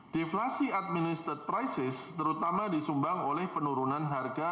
deflasi administered prices terutama disumbang oleh penurunan harga